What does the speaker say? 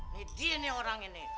nih dia nih orang ini